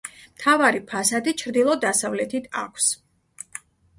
მთავარი ფასადი ჩრდილო-დასავლეთით აქვს.